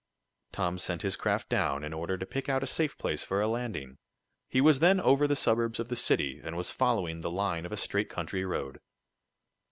Tom sent his craft down, in order to pick out a safe place for a landing. He was then over the suburbs of the city, and was following the line of a straight country road.